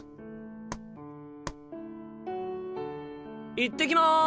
行ってきます。